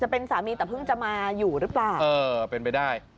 เอ่อเป็นแบบนี้แหละ